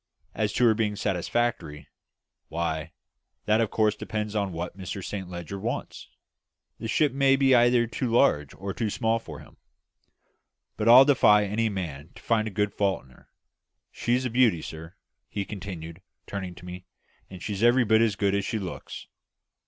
As to her being satisfactory why, that of course depends upon what Mr Saint Leger wants; the ship may be either too large or too small for him; but I'll defy any man to find a fault in her. She's a beauty, sir," he continued, turning to me, "and she's every bit as good as she looks."